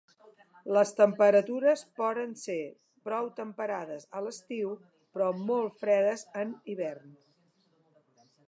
Les temperatures poden ser prou temperades a l'estiu però molt fredes en hivern.